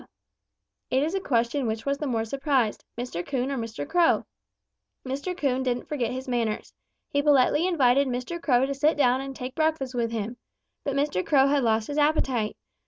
It is a question which was the more surprised, Mr. Coon or Mr. Crow. Mr. Coon didn't forget his manners. He politely invited Mr. Crow to sit down and take breakfast with him. But Mr. Crow had lost his appetite.